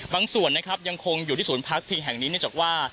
ส่วนนะครับยังคงอยู่ที่ศูนย์พักพิงแห่งนี้เนื่องจากว่า